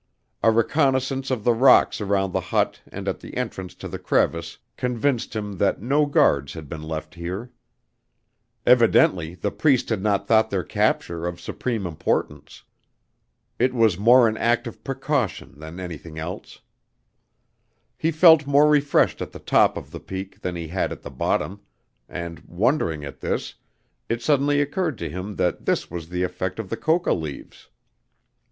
A reconnaissance of the rocks around the hut and at the entrance to the crevice convinced him that no guards had been left here. Evidently the Priest had not thought their capture of supreme importance. It was more an act of precaution than anything else. He felt more refreshed at the top of the peak than he had at the bottom and, wondering at this, it suddenly occurred to him that this was the effect of the coca leaves.